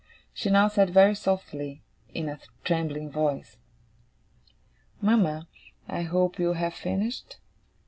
She now said very softly, in a trembling voice: 'Mama, I hope you have finished?